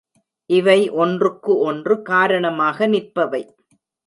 இவை ஒன்றுக்கு ஒன்று காரணமாக நிற்பவை.